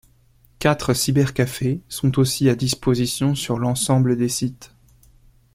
Quatre cybercafés sont aussi à disposition sur l'ensemble des sites.